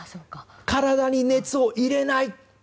体に熱を入れない。